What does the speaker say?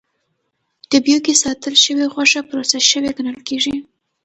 ډبیو کې ساتل شوې غوښه پروسس شوې ګڼل کېږي.